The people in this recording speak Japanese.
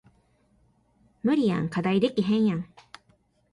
無理やん課題できへんやん